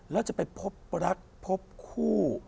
แล้วจะไปพบรักพบคู่